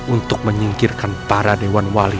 untuk menyingkirkan para dewan wali